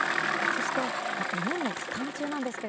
そして、お盆の期間中なんですが